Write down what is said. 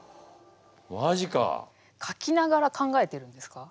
書きながら考えてるんですか？